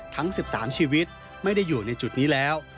ทั้ง๑๓ชีวิตไม่ได้อยู่ในจุดนี้แล้ว